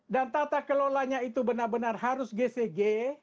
dan tata kelolanya itu benar benar harus gcg